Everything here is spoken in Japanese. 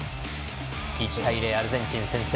１対０、アルゼンチンが先制。